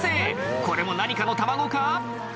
これも何かの卵か？